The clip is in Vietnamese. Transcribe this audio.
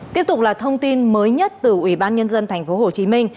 tiếp tục là thông tin mới nhất từ ubnd tp hcm